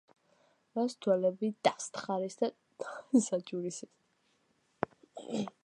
მას თვალები დასთხარეს და დაასაჭურისეს.